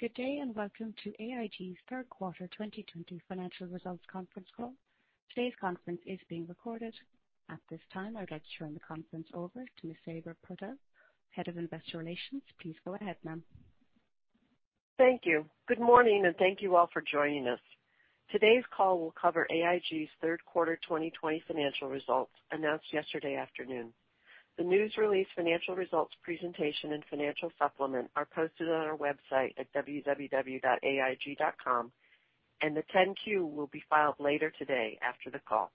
Good day, and welcome to AIG's third quarter 2020 financial results conference call. Today's conference is being recorded. At this time, I'd like to turn the conference over to Ms. Sabra Purtill, Head of Investor Relations. Please go ahead, ma'am. Thank you. Good morning, and thank you all for joining us. Today's call will cover AIG's third quarter 2020 financial results announced yesterday afternoon. The news release financial results presentation and financial supplement are posted on our website at www.aig.com, and the 10-Q will be filed later today after the call.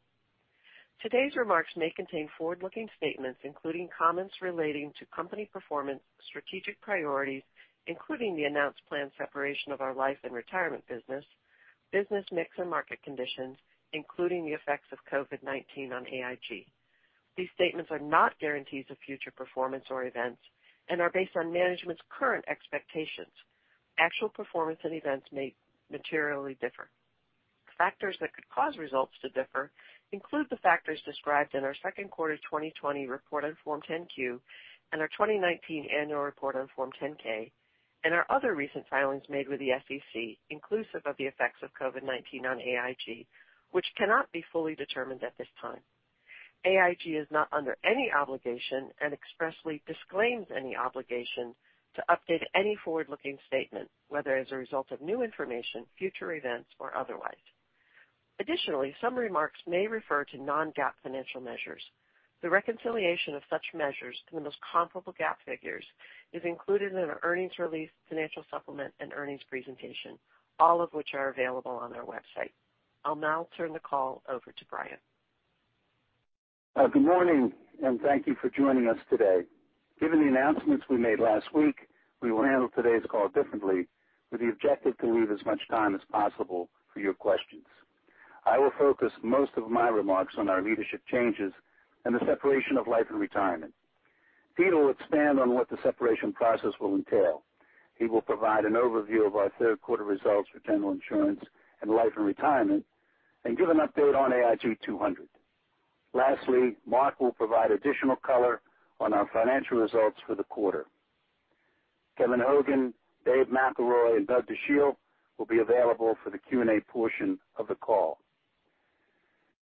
Today's remarks may contain forward-looking statements, including comments relating to company performance, strategic priorities, including the announced planned separation of our Life & Retirement business mix and market conditions, including the effects of COVID-19 on AIG. These statements are not guarantees of future performance or events and are based on management's current expectations. Actual performance and events may materially differ. Factors that could cause results to differ include the factors described in our second quarter 2020 report on Form 10-Q and our 2019 annual report on Form 10-K, our other recent filings made with the SEC, inclusive of the effects of COVID-19 on AIG, which cannot be fully determined at this time. AIG is not under any obligation and expressly disclaims any obligation to update any forward-looking statement, whether as a result of new information, future events, or otherwise. Additionally, some remarks may refer to non-GAAP financial measures. The reconciliation of such measures to the most comparable GAAP figures is included in our earnings release financial supplement and earnings presentation, all of which are available on our website. I'll now turn the call over to Brian. Good morning, and thank you for joining us today. Given the announcements we made last week, we will handle today's call differently with the objective to leave as much time as possible for your questions. I will focus most of my remarks on our leadership changes and the separation of Life & Retirement. Peter will expand on what the separation process will entail. He will provide an overview of our third quarter results for General Insurance and Life & Retirement and give an update on AIG 200. Lastly, Mark will provide additional color on our financial results for the quarter. Kevin Hogan, Dave McElroy, and Doug Dachille will be available for the Q&A portion of the call.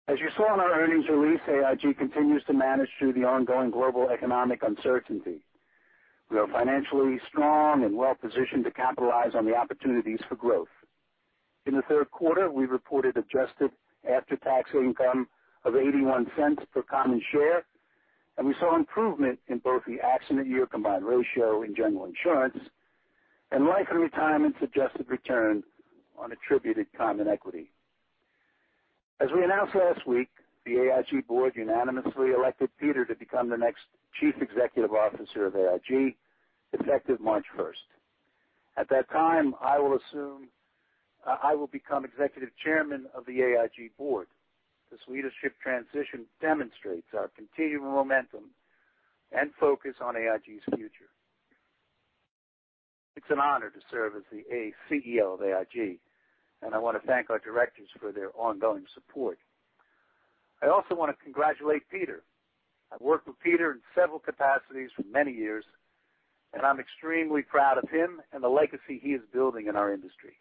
As you saw in our earnings release, AIG continues to manage through the ongoing global economic uncertainty. We are financially strong and well-positioned to capitalize on the opportunities for growth. In the third quarter, we reported adjusted after-tax income of $0.81 per common share, and we saw improvement in both the accident year combined ratio in General Insurance and Life & Retirement's adjusted return on attributed common equity. As we announced last week, the AIG board unanimously elected Peter to become the next Chief Executive Officer of AIG, effective March 1st. At that time, I will become Executive Chairman of the AIG board. This leadership transition demonstrates our continuing momentum and focus on AIG's future. It's an honor to serve as the CEO of AIG, and I want to thank our directors for their ongoing support. I also want to congratulate Peter. I've worked with Peter in several capacities for many years, and I'm extremely proud of him and the legacy he is building in our industry.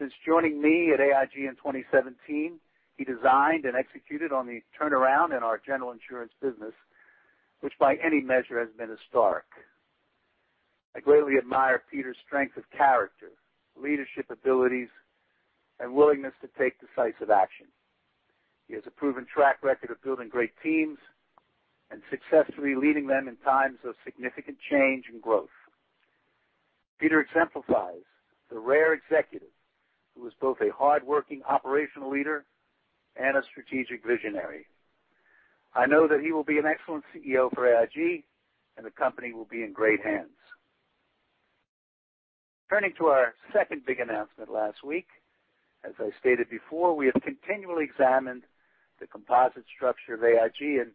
Since joining me at AIG in 2017, he designed and executed on the turnaround in our General Insurance business, which by any measure has been historic. I greatly admire Peter's strength of character, leadership abilities, and willingness to take decisive action. He has a proven track record of building great teams and successfully leading them in times of significant change and growth. Peter exemplifies the rare executive who is both a hardworking operational leader and a strategic visionary. I know that he will be an excellent CEO for AIG, and the company will be in great hands. Turning to our second big announcement last week, as I stated before, we have continually examined the composite structure of AIG.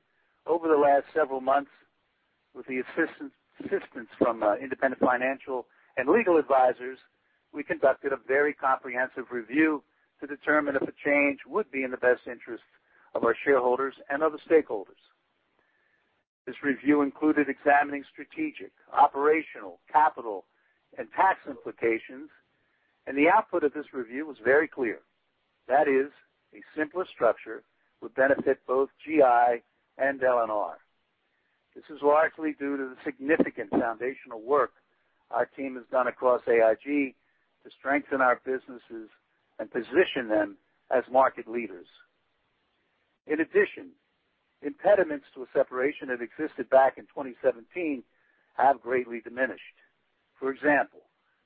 Over the last several months, with the assistance from independent financial and legal advisors, we conducted a very comprehensive review to determine if a change would be in the best interest of our shareholders and other stakeholders. This review included examining strategic, operational, capital, and tax implications. The output of this review was very clear. That is, a simpler structure would benefit both GI and L&R. This is largely due to the significant foundational work our team has done across AIG to strengthen our businesses and position them as market leaders. In addition, impediments to a separation that existed back in 2017 have greatly diminished. For example,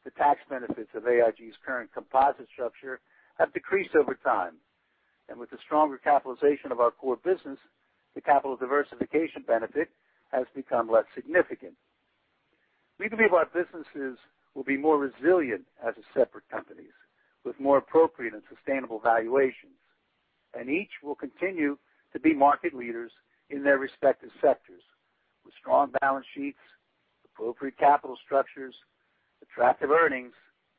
the tax benefits of AIG's current composite structure have decreased over time. With the stronger capitalization of our core business, the capital diversification benefit has become less significant. We believe our businesses will be more resilient as separate companies with more appropriate and sustainable valuations. Each will continue to be market leaders in their respective sectors with strong balance sheets, appropriate capital structures, attractive earnings,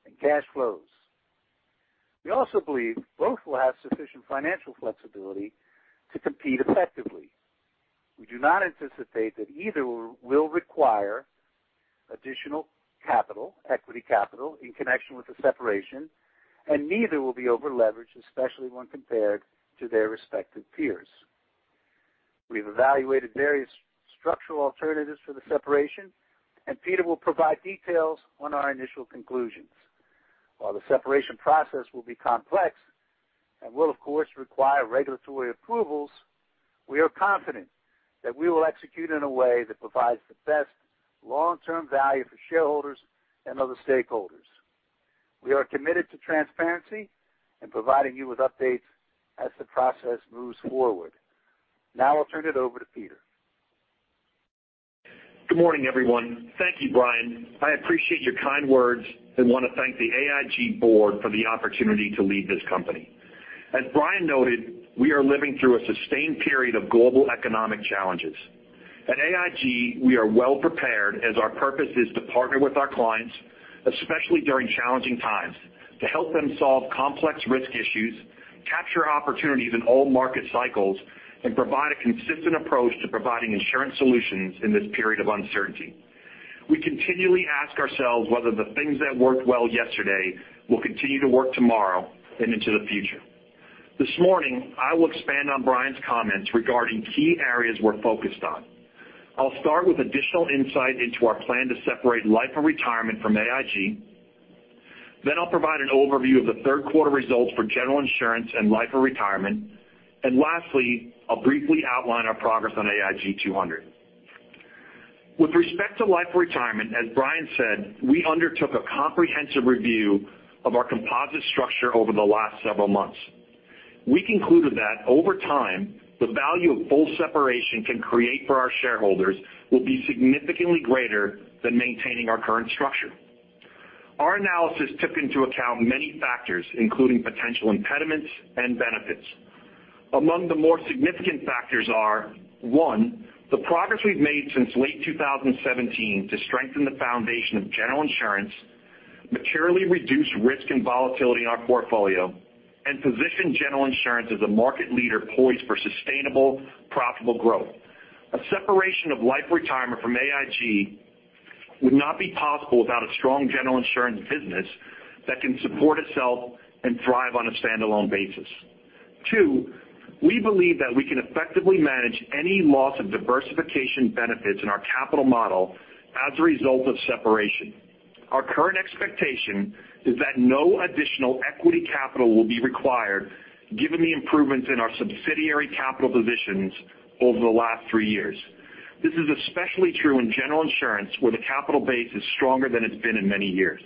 and cash flows. We also believe both will have sufficient financial flexibility to compete effectively. We do not anticipate that either will require additional capital, equity capital in connection with the separation, and neither will be over-leveraged, especially when compared to their respective peers. We've evaluated various structural alternatives for the separation, Peter will provide details on our initial conclusions. While the separation process will be complex and will, of course, require regulatory approvals, we are confident that we will execute in a way that provides the best long-term value for shareholders and other stakeholders. We are committed to transparency and providing you with updates as the process moves forward. Now I'll turn it over to Peter. Good morning, everyone. Thank you, Brian. I appreciate your kind words and want to thank the AIG board for the opportunity to lead this company. As Brian noted, we are living through a sustained period of global economic challenges. At AIG, we are well-prepared, as our purpose is to partner with our clients, especially during challenging times, to help them solve complex risk issues, capture opportunities in all market cycles, and provide a consistent approach to providing insurance solutions in this period of uncertainty. We continually ask ourselves whether the things that worked well yesterday will continue to work tomorrow and into the future. This morning, I will expand on Brian's comments regarding key areas we're focused on. I'll start with additional insight into our plan to separate Life & Retirement from AIG. I'll provide an overview of the third quarter results for General Insurance and Life & Retirement. Lastly, I'll briefly outline our progress on AIG 200. With respect to Life & Retirement, as Brian said, we undertook a comprehensive review of our composite structure over the last several months. We concluded that over time, the value of full separation can create for our shareholders will be significantly greater than maintaining our current structure. Our analysis took into account many factors, including potential impediments and benefits. Among the more significant factors are, one, the progress we've made since late 2017 to strengthen the foundation of General Insurance, materially reduce risk and volatility in our portfolio, and position General Insurance as a market leader poised for sustainable, profitable growth. A separation of Life & Retirement from AIG would not be possible without a strong General Insurance business that can support itself and thrive on a standalone basis. Two, we believe that we can effectively manage any loss of diversification benefits in our capital model as a result of separation. Our current expectation is that no additional equity capital will be required given the improvements in our subsidiary capital positions over the last three years. This is especially true in General Insurance, where the capital base is stronger than it's been in many years.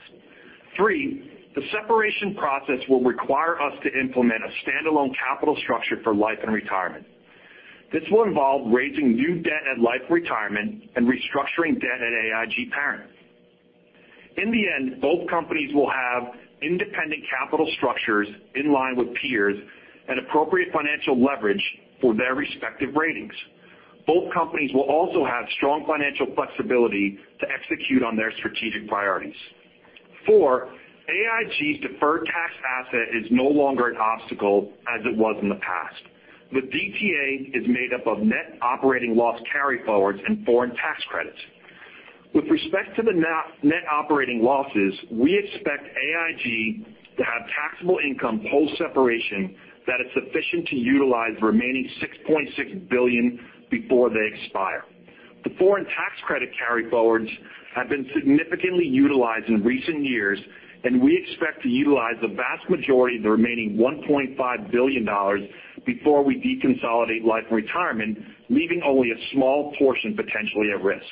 Three, the separation process will require us to implement a standalone capital structure for Life & Retirement. This will involve raising new debt at Life & Retirement and restructuring debt at AIG parent. In the end, both companies will have independent capital structures in line with peers and appropriate financial leverage for their respective ratings. Both companies will also have strong financial flexibility to execute on their strategic priorities. Four, AIG's deferred tax asset is no longer an obstacle as it was in the past. The DTA is made up of net operating loss carryforwards and foreign tax credits. With respect to the net operating losses, we expect AIG to have taxable income post-separation that is sufficient to utilize the remaining $6.6 billion before they expire. The foreign tax credit carryforwards have been significantly utilized in recent years, we expect to utilize the vast majority of the remaining $1.5 billion before we deconsolidate Life & Retirement, leaving only a small portion potentially at risk.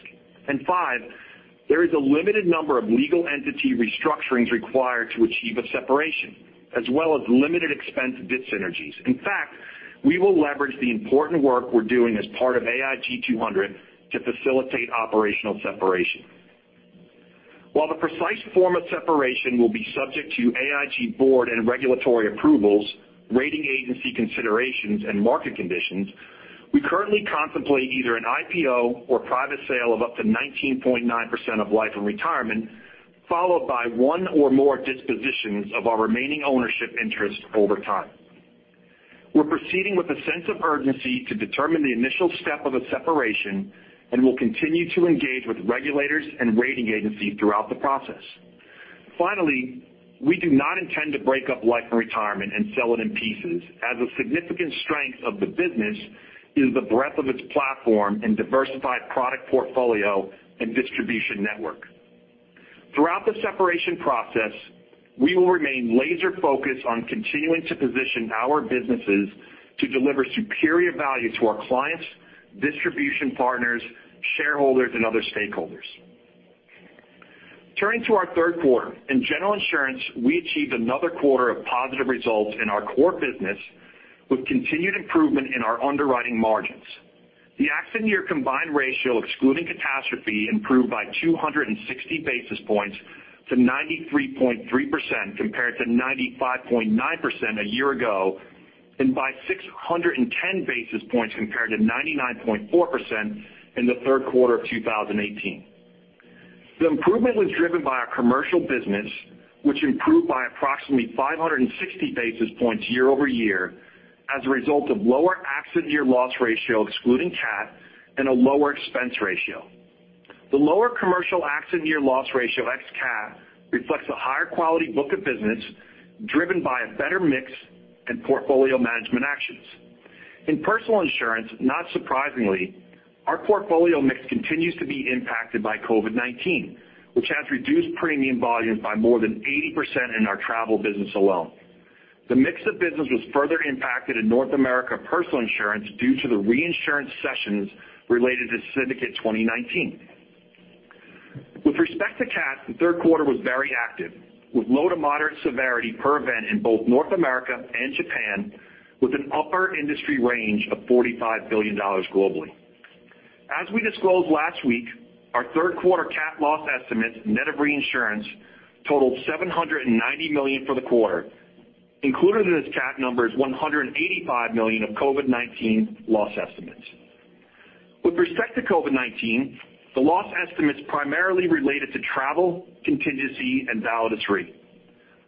Five, there is a limited number of legal entity restructurings required to achieve a separation, as well as limited expense dis-synergies. In fact, we will leverage the important work we're doing as part of AIG 200 to facilitate operational separation. While the precise form of separation will be subject to AIG board and regulatory approvals, rating agency considerations, and market conditions, we currently contemplate either an IPO or private sale of up to 19.9% of Life & Retirement, followed by one or more dispositions of our remaining ownership interest over time. We're proceeding with a sense of urgency to determine the initial step of a separation and will continue to engage with regulators and rating agencies throughout the process. Finally, we do not intend to break up Life & Retirement and sell it in pieces as a significant strength of the business is the breadth of its platform and diversified product portfolio and distribution network. Throughout the separation process, we will remain laser-focused on continuing to position our businesses to deliver superior value to our clients, distribution partners, shareholders, and other stakeholders. Turning to our third quarter. In General Insurance, we achieved another quarter of positive results in our core business with continued improvement in our underwriting margins. The accident year combined ratio, excluding catastrophe, improved by 260 basis points to 93.3% compared to 95.9% a year ago, and by 610 basis points compared to 99.4% in the third quarter of 2018. The improvement was driven by our commercial business, which improved by approximately 560 basis points year-over-year as a result of lower accident year loss ratio, excluding cat, and a lower expense ratio. The lower commercial accident year loss ratio, ex-cat, reflects a higher quality book of business driven by a better mix and portfolio management actions. In Personal Insurance, not surprisingly, our portfolio mix continues to be impacted by COVID-19, which has reduced premium volumes by more than 80% in our travel business alone. The mix of business was further impacted in North America Personal Insurance due to the reinsurance cessions related to Syndicate 2019. With respect to cat, the third quarter was very active, with low to moderate severity per event in both North America and Japan, with an upper industry range of $45 billion globally. As we disclosed last week, our third quarter cat loss estimates, net of reinsurance, totaled $790 million for the quarter. Included in this cat number is $185 million of COVID-19 loss estimates. With respect to COVID-19, the loss estimates primarily related to travel, contingency, and Validus Re.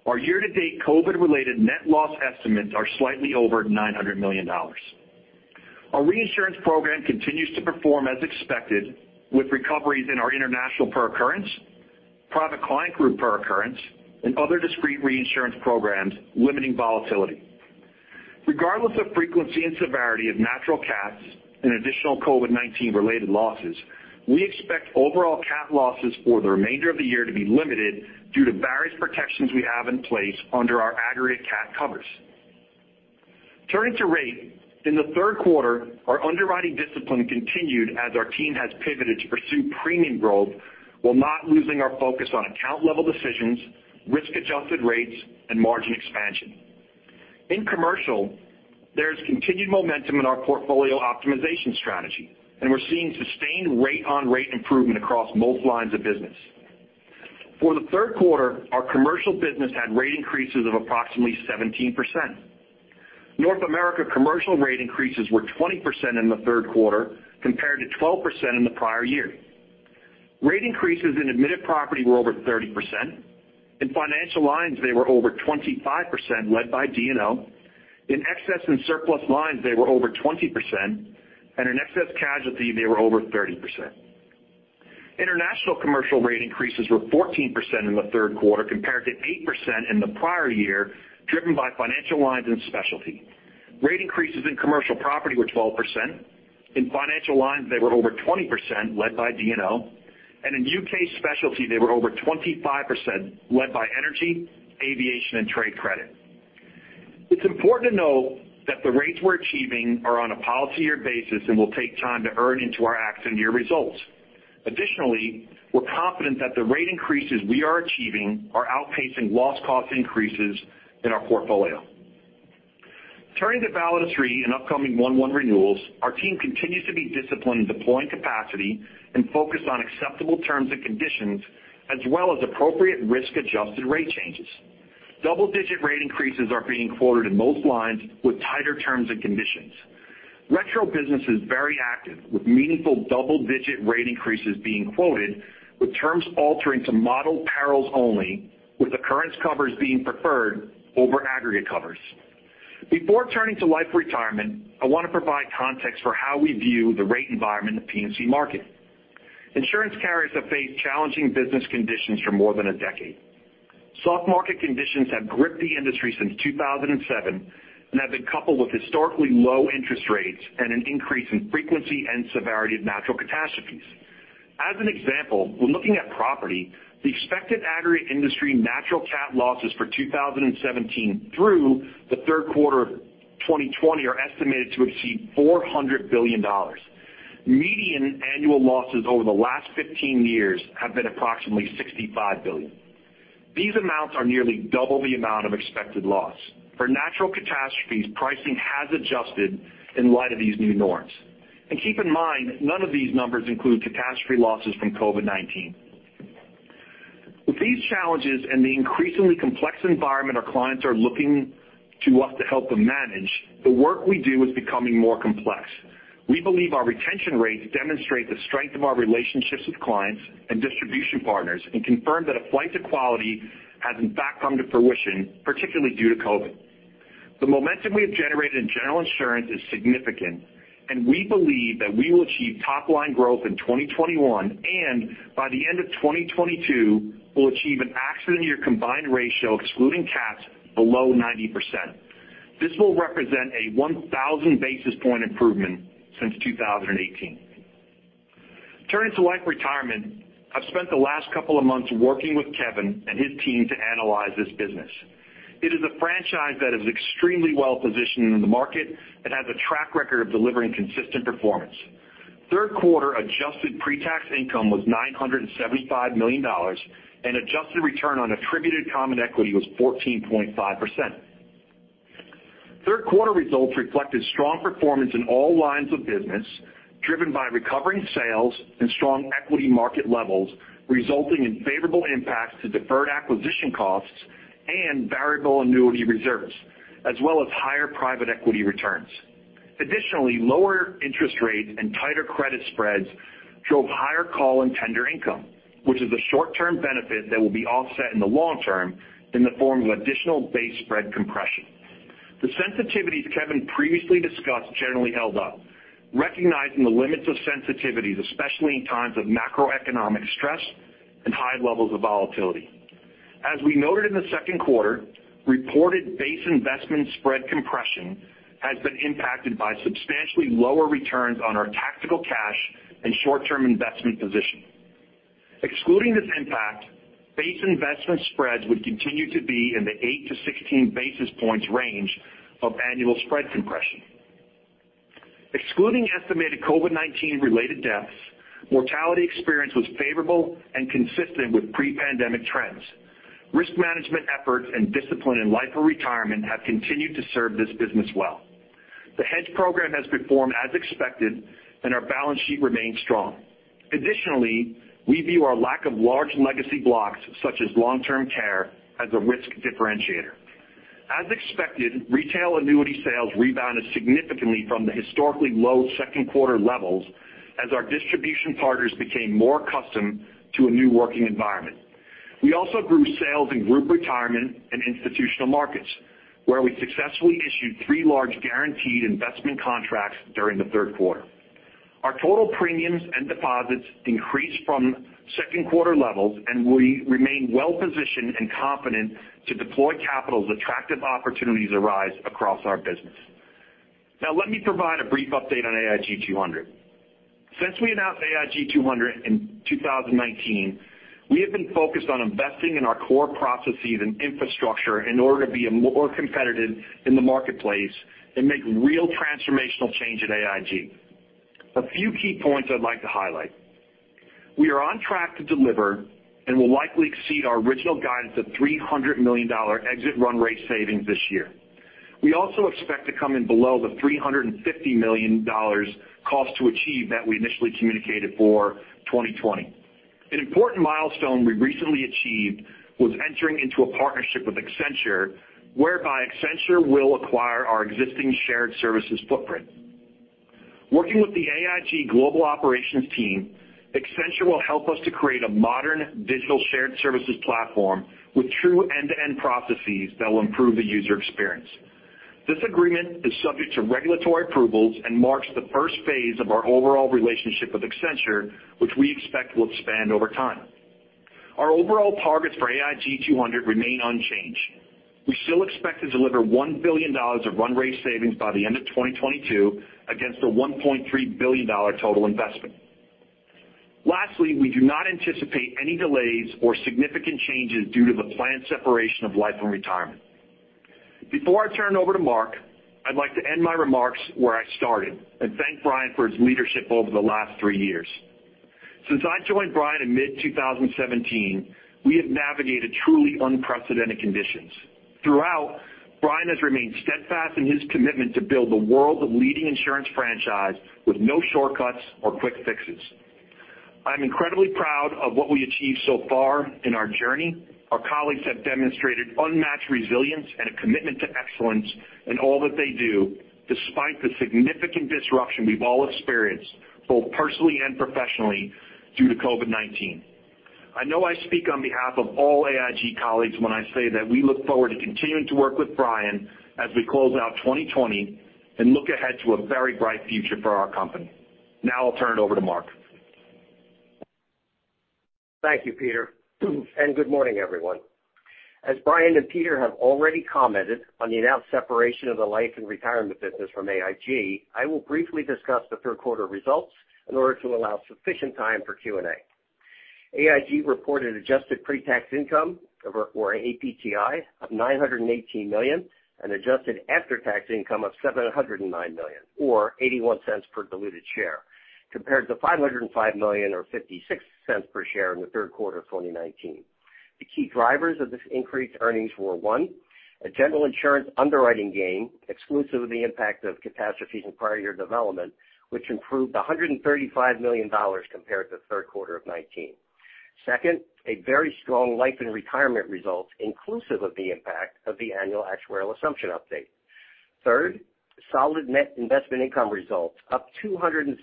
Our year-to-date COVID-related net loss estimates are slightly over $900 million. Our reinsurance program continues to perform as expected with recoveries in our international per occurrence, Private Client Group per occurrence, and other discrete reinsurance programs limiting volatility. Regardless of frequency and severity of natural cat and additional COVID-19 related losses, we expect overall cat losses for the remainder of the year to be limited due to various protections we have in place under our aggregate cat covers. Turning to rate, in the third quarter, our underwriting discipline continued as our team has pivoted to pursue premium growth while not losing our focus on account-level decisions, risk-adjusted rates, and margin expansion. In commercial, there is continued momentum in our portfolio optimization strategy, we're seeing sustained rate-on-rate improvement across most lines of business. For the third quarter, our commercial business had rate increases of approximately 17%. North America Commercial rate increases were 20% in the third quarter, compared to 12% in the prior year. Rate increases in admitted property were over 30%. In financial lines, they were over 25%, led by D&O. In excess and surplus lines, they were over 20%. In excess casualty, they were over 30%. International Commercial rate increases were 14% in the third quarter, compared to 8% in the prior year, driven by financial lines and specialty. Rate increases in commercial property were 12%. In financial lines, they were over 20%, led by D&O. In U.K. specialty, they were over 25%, led by energy, aviation, and trade credit. It's important to note that the rates we're achieving are on a policy year basis and will take time to earn into our accident year results. We're confident that the rate increases we are achieving are outpacing loss cost increases in our portfolio. Turning to Validus Re and upcoming 1/1 renewals, our team continues to be disciplined in deploying capacity and focused on acceptable terms and conditions, as well as appropriate risk-adjusted rate changes. Double-digit rate increases are being quoted in most lines with tighter terms and conditions. Retro business is very active, with meaningful double-digit rate increases being quoted, with terms altering to modeled perils only, with occurrence covers being preferred over aggregate covers. Before turning to Life & Retirement, I want to provide context for how we view the rate environment in the P&C market. Insurance carriers have faced challenging business conditions for more than a decade. Soft market conditions have gripped the industry since 2007 and have been coupled with historically low interest rates and an increase in frequency and severity of natural catastrophes. As an example, when looking at property, the expected aggregate industry natural cat losses for 2017 through the third quarter of 2020 are estimated to exceed $400 billion. Median annual losses over the last 15 years have been approximately $65 billion. These amounts are nearly double the amount of expected loss. For natural catastrophes, pricing has adjusted in light of these new norms. Keep in mind, none of these numbers include catastrophe losses from COVID-19. With these challenges and the increasingly complex environment our clients are looking to us to help them manage, the work we do is becoming more complex. We believe our retention rates demonstrate the strength of our relationships with clients and distribution partners and confirm that a flight to quality has in fact come to fruition, particularly due to COVID. The momentum we have generated in General Insurance is significant, and we believe that we will achieve top-line growth in 2021, and by the end of 2022, we'll achieve an accident year combined ratio excluding cats below 90%. This will represent a 1,000 basis point improvement since 2018. Turning to Life & Retirement, I've spent the last couple of months working with Kevin and his team to analyze this business. It is a franchise that is extremely well-positioned in the market and has a track record of delivering consistent performance. Third quarter adjusted pre-tax income was $975 million, and adjusted return on attributed common equity was 14.5%. Third quarter results reflected strong performance in all lines of business, driven by recovering sales and strong equity market levels, resulting in favorable impacts to deferred acquisition costs and variable annuity reserves, as well as higher private equity returns. Lower interest rates and tighter credit spreads drove higher call and tender income, which is a short-term benefit that will be offset in the long term in the form of additional base spread compression. The sensitivities Kevin previously discussed generally held up, recognizing the limits of sensitivities, especially in times of macroeconomic stress and high levels of volatility. As we noted in the second quarter, reported base investment spread compression has been impacted by substantially lower returns on our tactical cash and short-term investment position. Excluding this impact, base investment spreads would continue to be in the eight to 16 basis points range of annual spread compression. Excluding estimated COVID-19 related deaths, mortality experience was favorable and consistent with pre-pandemic trends. Risk management efforts and discipline in Life & Retirement have continued to serve this business well. The hedge program has performed as expected, and our balance sheet remains strong. Additionally, we view our lack of large legacy blocks, such as long-term care, as a risk differentiator. As expected, retail annuity sales rebounded significantly from the historically low second quarter levels as our distribution partners became more accustomed to a new working environment. We also grew sales in Group Retirement and institutional markets, where we successfully issued three large guaranteed investment contracts during the third quarter. Our total premiums and deposits increased from second quarter levels. We remain well-positioned and confident to deploy capital as attractive opportunities arise across our business. Now, let me provide a brief update on AIG 200. Since we announced AIG 200 in 2019, we have been focused on investing in our core processes and infrastructure in order to be more competitive in the marketplace and make real transformational change at AIG. A few key points I'd like to highlight. We are on track to deliver and will likely exceed our original guidance of $300 million exit run rate savings this year. We also expect to come in below the $350 million cost to achieve that we initially communicated for 2020. An important milestone we recently achieved was entering into a partnership with Accenture, whereby Accenture will acquire our existing shared services footprint. Working with the AIG Global Operations team, Accenture will help us to create a modern digital shared services platform with true end-to-end processes that will improve the user experience. This agreement is subject to regulatory approvals and marks the first phase of our overall relationship with Accenture, which we expect will expand over time. Our overall targets for AIG 200 remain unchanged. We still expect to deliver $1 billion of run rate savings by the end of 2022 against a $1.3 billion total investment. Lastly, we do not anticipate any delays or significant changes due to the planned separation of AIG Life & Retirement. Before I turn it over to Mark, I'd like to end my remarks where I started and thank Brian for his leadership over the last three years. Since I joined Brian in mid 2017, we have navigated truly unprecedented conditions. Throughout, Brian has remained steadfast in his commitment to build a world of leading insurance franchise with no shortcuts or quick fixes. I'm incredibly proud of what we achieved so far in our journey. Our colleagues have demonstrated unmatched resilience and a commitment to excellence in all that they do, despite the significant disruption we've all experienced, both personally and professionally, due to COVID-19. I know I speak on behalf of all AIG colleagues when I say that we look forward to continuing to work with Brian as we close out 2020 and look ahead to a very bright future for our company. Now I'll turn it over to Mark. Thank you, Peter. Good morning, everyone. As Brian and Peter have already commented on the announced separation of the Life & Retirement business from AIG, I will briefly discuss the third quarter results in order to allow sufficient time for Q&A. AIG reported adjusted pre-tax income, or APTI, of $918 million and adjusted after-tax income of $709 million, or $0.81 per diluted share, compared to $505 million or $0.56 per share in the third quarter of 2019. The key drivers of this increased earnings were, one, a General Insurance underwriting gain exclusive of the impact of catastrophes and prior year development, which improved $135 million compared to the third quarter of 2019. Second, a very strong Life & Retirement result inclusive of the impact of the annual actuarial assumption update. Third, solid net investment income results up $271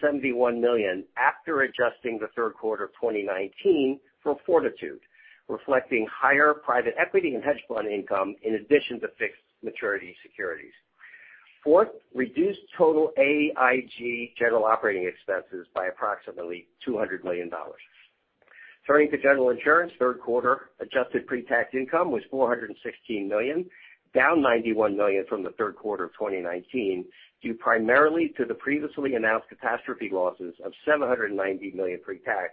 million after adjusting the third quarter of 2019 for Fortitude, reflecting higher private equity and hedge fund income in addition to fixed maturity securities. Fourth, reduced total AIG general operating expenses by approximately $200 million. Turning to General Insurance, third quarter adjusted pre-tax income was $416 million, down $91 million from the third quarter of 2019, due primarily to the previously announced catastrophe losses of $790 million pre-tax,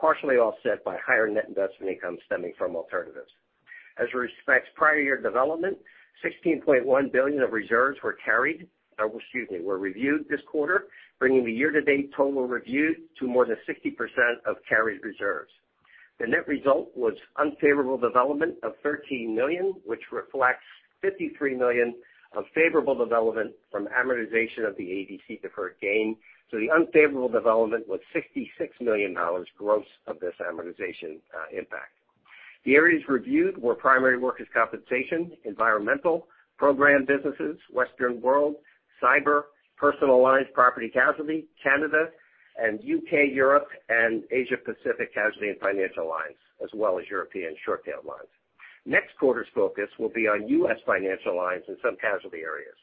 partially offset by higher net investment income stemming from alternatives. As respects prior year development, $16.1 billion of reserves were reviewed this quarter, bringing the year-to-date total reviewed to more than 60% of carried reserves. The net result was unfavorable development of $13 million, which reflects $53 million of favorable development from amortization of the ADC deferred gain. The unfavorable development was $66 million gross of this amortization impact. The areas reviewed were primary workers' compensation, environmental, program businesses, Western World, cyber, personal lines, property casualty, Canada and U.K., Europe, and Asia Pacific casualty and financial lines, as well as European short tail lines. Next quarter's focus will be on U.S. financial lines in some casualty areas.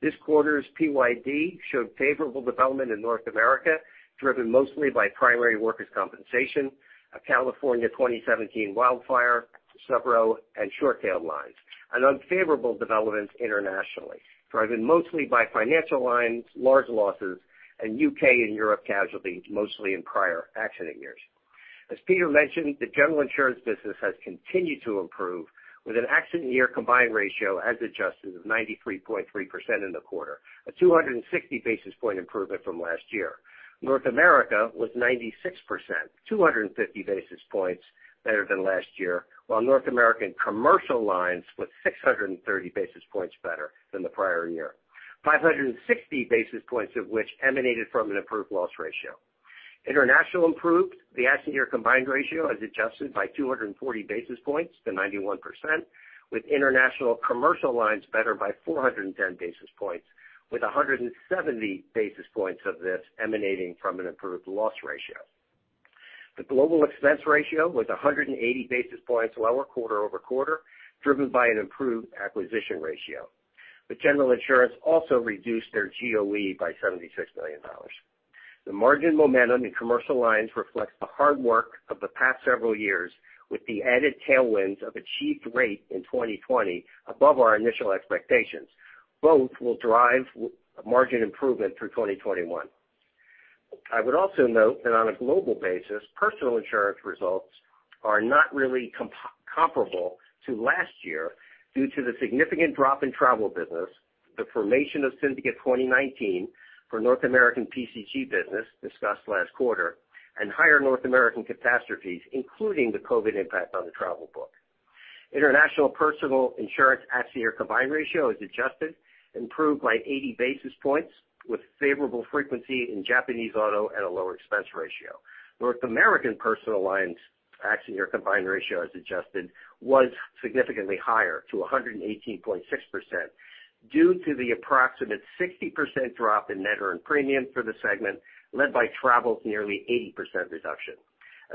This quarter's PYD showed favorable development in North America, driven mostly by primary workers' compensation, a California 2017 wildfire, subro, and short-tail lines, and unfavorable developments internationally, driven mostly by financial lines, large losses, and U.K. and Europe casualty, mostly in prior accident years. As Peter mentioned, the General Insurance business has continued to improve, with an accident year combined ratio as adjusted of 93.3% in the quarter, a 260 basis point improvement from last year. North America was 96%, 250 basis points better than last year, while North America Commercial was 630 basis points better than the prior year, 560 basis points of which emanated from an improved loss ratio. International improved the accident year combined ratio as adjusted by 240 basis points to 91%, with International Commercial better by 410 basis points, with 170 basis points of this emanating from an improved loss ratio. The global expense ratio was 180 basis points lower quarter-over-quarter, driven by an improved acquisition ratio. General Insurance also reduced their GOE by $76 million. The margin momentum in Commercial Lines reflects the hard work of the past several years, with the added tailwinds of achieved rate in 2020 above our initial expectations. Both will drive margin improvement through 2021. I would also note that on a global basis, personal insurance results are not really comparable to last year due to the significant drop in travel business, the formation of Syndicate 2019 for North American PCG business, discussed last quarter, and higher North American catastrophes, including the COVID impact on the travel book. International personal insurance accident year combined ratio as adjusted, improved by 80 basis points, with favorable frequency in Japanese auto and a lower expense ratio. North American personal lines accident year combined ratio as adjusted was significantly higher to 118.6% due to the approximate 60% drop in net earned premium for the segment, led by travel's nearly 80% reduction,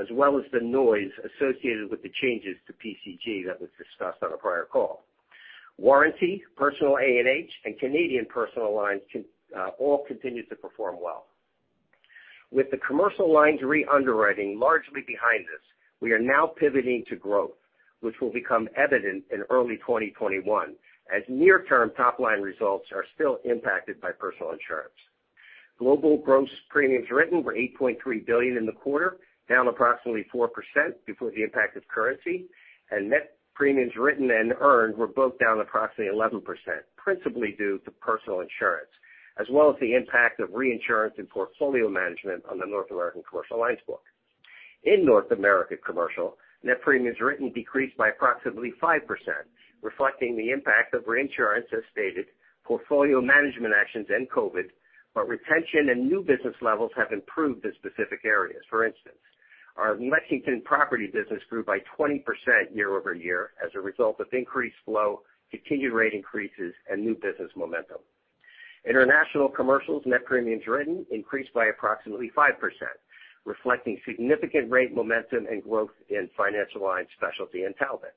as well as the noise associated with the changes to PCG that was discussed on a prior call. Warranty, personal A&H, and Canadian personal lines all continued to perform well. With the commercial lines re-underwriting largely behind this, we are now pivoting to growth, which will become evident in early 2021, as near-term top-line results are still impacted by Personal Insurance. Global gross premiums written were $8.3 billion in the quarter, down approximately 4% before the impact of currency. Net premiums written and earned were both down approximately 11%, principally due to Personal Insurance, as well as the impact of reinsurance and portfolio management on the North America Commercial lines book. In North America Commercial, net premiums written decreased by approximately 5%, reflecting the impact of reinsurance, as stated, portfolio management actions and COVID, retention and new business levels have improved in specific areas. For instance, our Lexington property business grew by 20% year-over-year as a result of increased flow, continued rate increases, and new business momentum. International Commercial net premiums written increased by approximately 5%, reflecting significant rate momentum and growth in financial lines specialty and Talbot.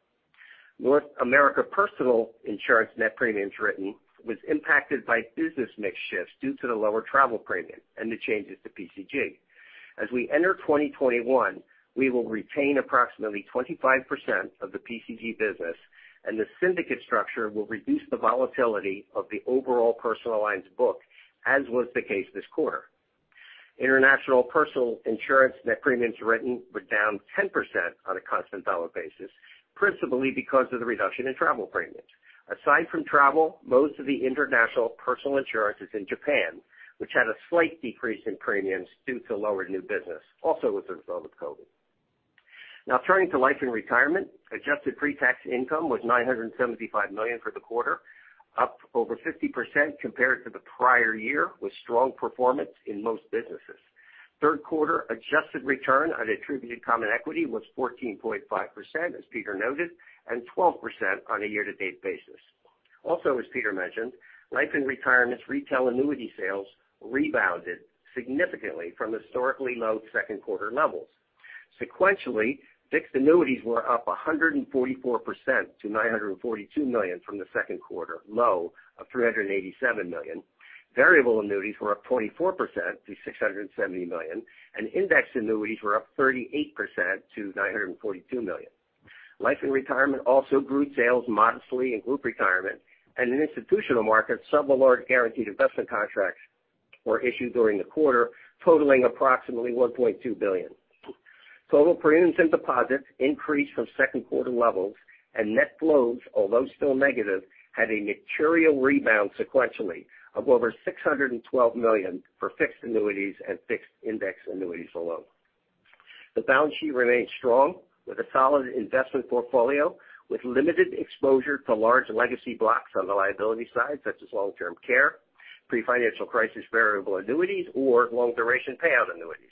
North America Personal Insurance net premiums written was impacted by business mix shifts due to the lower travel premium and the changes to PCG. As we enter 2021, we will retain approximately 25% of the PCG business, and the Syndicate 2019 structure will reduce the volatility of the overall personal lines book, as was the case this quarter. International Personal Insurance net premiums written were down 10% on a constant dollar basis, principally because of the reduction in travel premiums. Aside from travel, most of the International Personal Insurance is in Japan, which had a slight decrease in premiums due to lower new business, also as a result of COVID-19. Turning to Life & Retirement, adjusted pre-tax income was $975 million for the quarter, up over 50% compared to the prior year, with strong performance in most businesses. Third quarter adjusted return on attributed common equity was 14.5%, as Peter noted, and 12% on a year-to-date basis. As Peter mentioned, Life & Retirement retail annuity sales rebounded significantly from historically low second quarter levels. Sequentially, fixed annuities were up 144% to $942 million from the second quarter low of $387 million. Variable annuities were up 24% to $670 million, and indexed annuities were up 38% to $942 million. Life & Retirement also grew sales modestly in Group Retirement and in institutional markets, several large guaranteed investment contracts were issued during the quarter, totaling approximately $1.2 billion. Total premiums and deposits increased from second quarter levels, and net flows, although still negative, had a material rebound sequentially of over $612 million for fixed annuities and fixed index annuities alone. The balance sheet remains strong with a solid investment portfolio with limited exposure to large legacy blocks on the liability side, such as long-term care, pre-financial crisis variable annuities, or long duration payout annuities.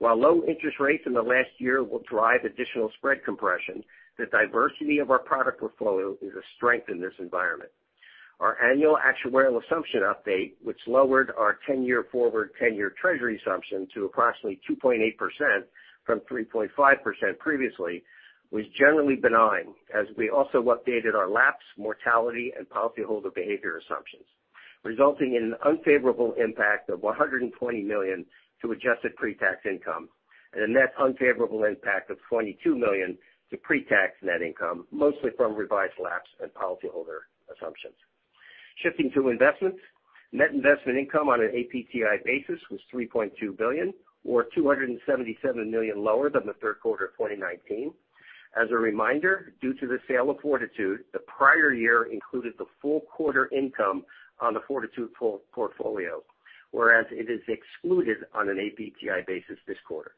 While low interest rates in the last year will drive additional spread compression, the diversity of our product portfolio is a strength in this environment. Our annual actuarial assumption update, which lowered our 10-year forward 10-year Treasury assumption to approximately 2.8% from 3.5% previously, was generally benign as we also updated our lapse mortality and policyholder behavior assumptions, resulting in an unfavorable impact of $120 million to adjusted pre-tax income and a net unfavorable impact of $22 million to pre-tax net income, mostly from revised lapse and policyholder assumptions. Shifting to investments, net investment income on an APTI basis was $3.2 billion, or $277 million lower than the third quarter of 2019. As a reminder, due to the sale of Fortitude, the prior year included the full quarter income on the Fortitude portfolio, whereas it is excluded on an APTI basis this quarter.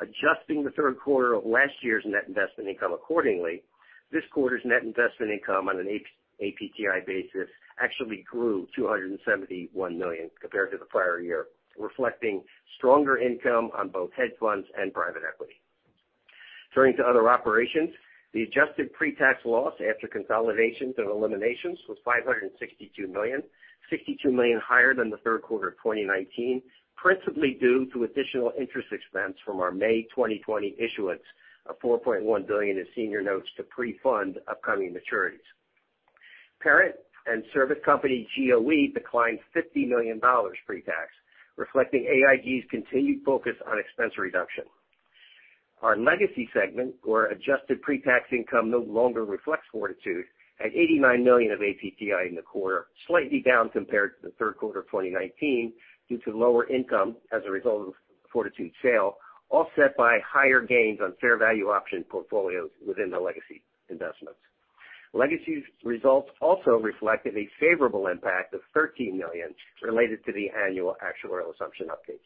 Adjusting the third quarter of last year's net investment income accordingly, this quarter's net investment income on an APTI basis actually grew $271 million compared to the prior year, reflecting stronger income on both hedge funds and private equity. Turning to other operations, the adjusted pre-tax loss after consolidations and eliminations was $562 million, $62 million higher than the third quarter of 2019, principally due to additional interest expense from our May 2020 issuance of $4.1 billion in senior notes to pre-fund upcoming maturities. Parent and service company GOE declined $50 million pre-tax, reflecting AIG's continued focus on expense reduction. Our legacy segment's adjusted pre-tax income no longer reflects Fortitude at $89 million of APTI in the quarter, slightly down compared to the third quarter of 2019 due to lower income as a result of Fortitude's sale, offset by higher gains on fair value option portfolios within the legacy investments. Legacy's results also reflected a favorable impact of $13 million related to the annual actuarial assumption update.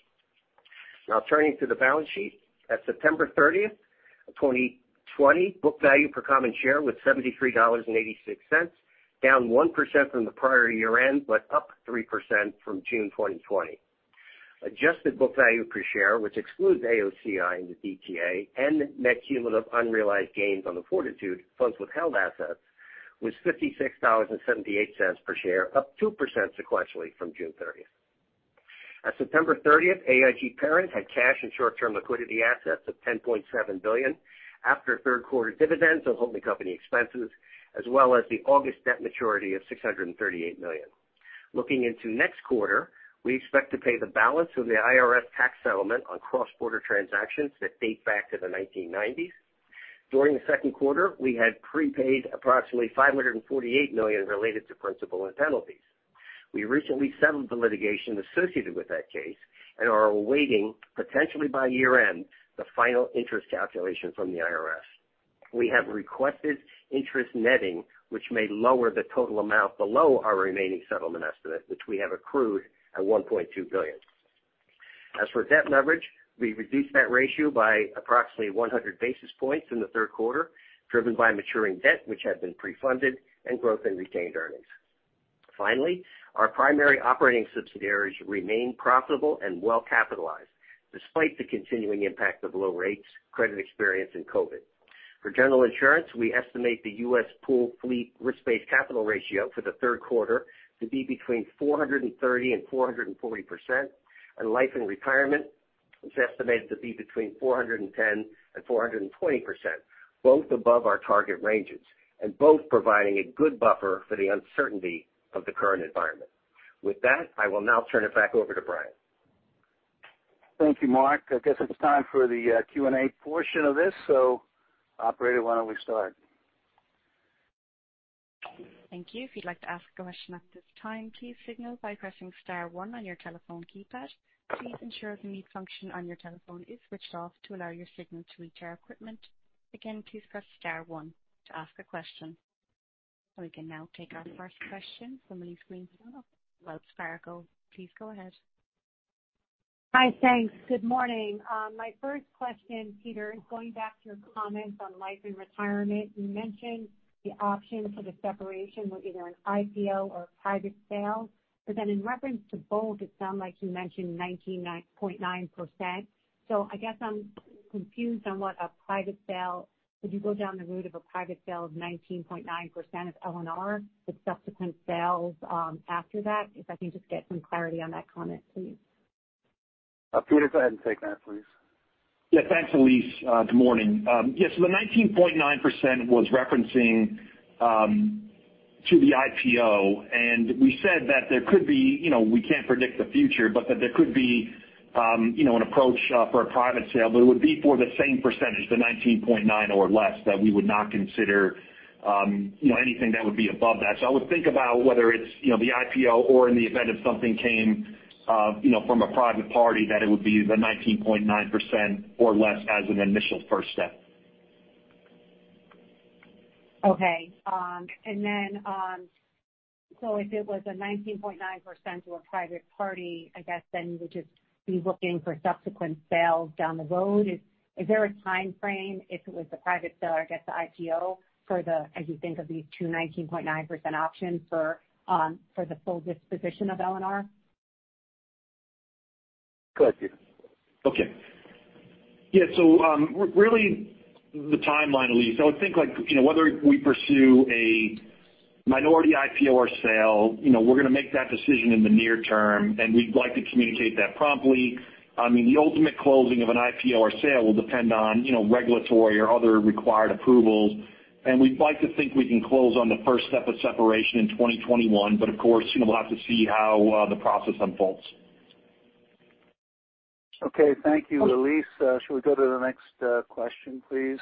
Turning to the balance sheet. At September 30th, 2020, book value per common share was $73.86, down 1% from the prior year-end, but up 3% from June 2020. Adjusted book value per share, which excludes AOCI and the DTA and net cumulative unrealized gains on the Fortitude funds withheld assets, was $56.78 per share, up 2% sequentially from June 30th. At September 30th, AIG Parent had cash and short-term liquidity assets of $10.7 billion after third quarter dividends on holding company expenses, as well as the August debt maturity of $638 million. Looking into next quarter, we expect to pay the balance of the IRS tax settlement on cross-border transactions that date back to the 1990s. During the second quarter, we had prepaid approximately $548 million related to principal and penalties. We recently settled the litigation associated with that case and are awaiting, potentially by year-end, the final interest calculation from the IRS. We have requested interest netting, which may lower the total amount below our remaining settlement estimate, which we have accrued at $1.2 billion. As for debt leverage, we reduced that ratio by approximately 100 basis points in the third quarter, driven by maturing debt, which had been pre-funded, and growth in retained earnings. Finally, our primary operating subsidiaries remain profitable and well-capitalized despite the continuing impact of low rates, credit experience, and COVID. For General Insurance, we estimate the U.S. pooled fleet risk-based capital ratio for the third quarter to be between 430% and 440%, and Life & Retirement is estimated to be between 410% and 420%, both above our target ranges and both providing a good buffer for the uncertainty of the current environment. With that, I will now turn it back over to Brian. Thank you, Mark. I guess it's time for the Q&A portion of this. Operator, why don't we start? Thank you. If you'd like to ask a question at this time, please signal by pressing star one on your telephone keypad. Please ensure the mute function on your telephone is switched off to allow your signal to reach our equipment. Again, please press star one to ask a question. We can now take our first question from Elyse. Please go ahead. Hi. Thanks. Good morning. My first question, Peter, is going back to your comments on Life & Retirement. You mentioned the option for the separation was either an IPO or a private sale. In reference to both, it sounded like you mentioned 19.9%. I guess I'm confused on what a private sale, would you go down the route of a private sale of 19.9% of L&R with subsequent sales after that? If I can just get some clarity on that comment, please. Peter, go ahead and take that please. Yeah. Thanks, Elyse. Good morning. Yes. The 19.9% was referencing to the IPO, and we said that there could be, we can't predict the future, but that there could be an approach for a private sale, but it would be for the same percentage, the 19.9% or less that we would not consider anything that would be above that. I would think about whether it's the IPO or in the event if something came from a private party, that it would be the 19.9% or less as an initial first step. Okay. If it was a 19.9% to a private party, I guess then you would just be looking for subsequent sales down the road. Is there a time frame if it was the private seller, I guess the IPO for the, as you think of these two 19.9% options for the full disposition of L&R? Go ahead, Peter. Okay. Yeah, really the timeline, Elyse, I would think whether we pursue a minority IPO or sale, we're going to make that decision in the near term, and we'd like to communicate that promptly. The ultimate closing of an IPO or sale will depend on regulatory or other required approvals. We'd like to think we can close on the first step of separation in 2021. Of course, we'll have to see how the process unfolds. Okay. Thank you, Elyse. Shall we go to the next question, please?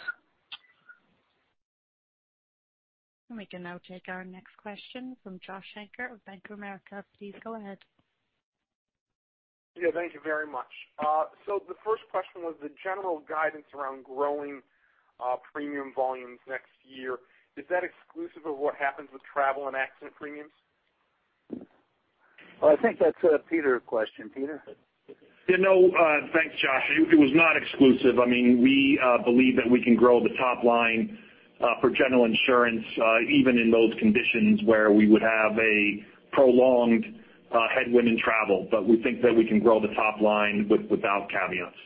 We can now take our next question from Joshua Shanker of Bank of America. Please go ahead. Thank you very much. The first question was the general guidance around growing premium volumes next year. Is that exclusive of what happens with travel and accident premiums? Well, I think that's a Peter question. Peter? Yeah, no. Thanks, Joshua. It was not exclusive. We believe that we can grow the top line for General Insurance even in those conditions where we would have a prolonged headwind in travel. We think that we can grow the top line without caveats.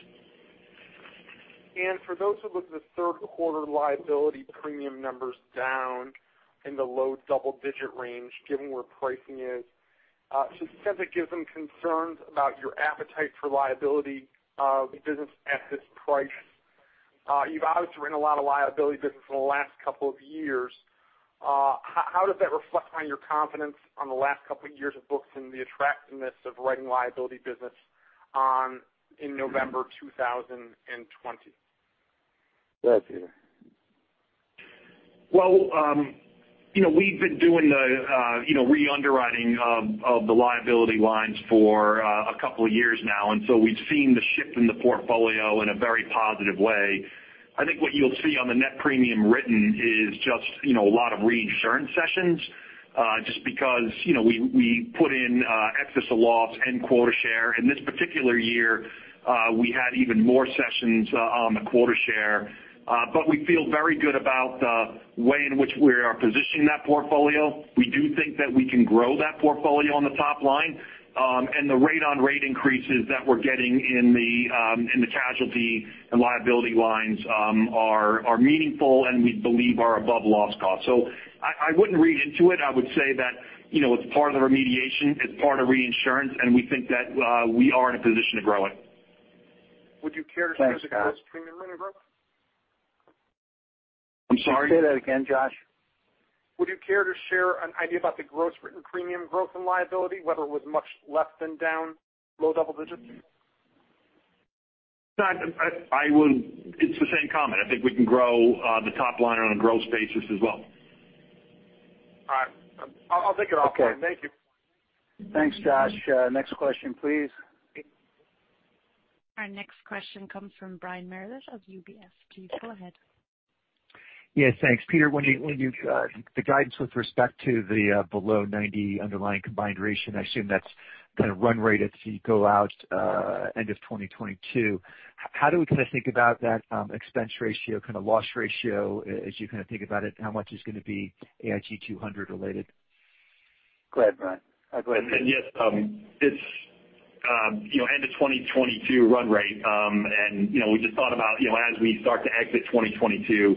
For those who look at the third quarter liability premium numbers down in the low double-digit range, given where pricing is, does it give them concerns about your appetite for liability business at this price? You've obviously written a lot of liability business in the last couple of years. How does that reflect on your confidence on the last couple of years of books and the attractiveness of writing liability business in November 2020? Go ahead, Peter. We've been doing the re-underwriting of the liability lines for a couple of years now. We've seen the shift in the portfolio in a very positive way. I think what you'll see on the net premium written is just a lot of reinsurance cessions, just because we put in excess of loss and quota share. In this particular year, we had even more cessions on the quota share. We feel very good about the way in which we are positioning that portfolio. We do think that we can grow that portfolio on the top line. The rate on rate increases that we're getting in the casualty and liability lines are meaningful and we believe are above loss cost. I wouldn't read into it. I would say that it's part of the remediation, it's part of reinsurance, and we think that we are in a position to grow it. Would you care to share- Thanks, Joshua. the gross premium revenue growth? I'm sorry? Say that again, Joshua. Would you care to share an idea about the gross written premium growth and liability, whether it was much less than down low double digits? It's the same comment. I think we can grow the top line on a gross basis as well. All right. I'll take it offline. Okay. Thank you. Thanks, Joshua. Next question, please. Our next question comes from Brian Meredith of UBS. Please go ahead. Yes, thanks. Peter, the guidance with respect to the below 90% underlying combined ratio, I assume that's kind of run rate as you go out end of 2022. How do we kind of think about that expense ratio, kind of loss ratio, as you think about it, how much is going to be AIG 200 related? Go ahead, Brian. Go ahead. Yes. It's end of 2022 run rate, we just thought about as we start to exit 2022.